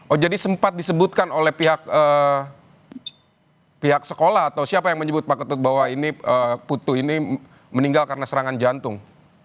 oh jadi sempat disebutkan oleh pihak sekolah atau siapa yang menyebut pak ketut bahwa ini putu ini meninggal karena serangan jantung